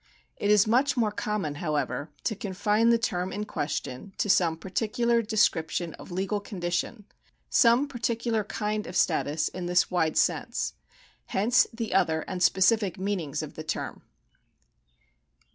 It is much more common, however, to confine the term in question to some particular description of legal condition — some particular kind of status in this wide sense. Hence the other and specific meanings of the term.